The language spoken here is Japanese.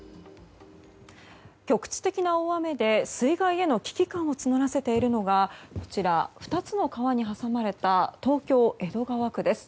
局地的な大雨で水害への危機感を募らせているのがこちら、２つの川に挟まれた東京・江戸川区です。